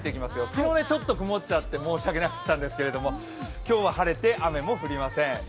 昨日ね、ちょっと曇っちゃって申し訳なかったんですけど、今日は晴れて雨も降りません。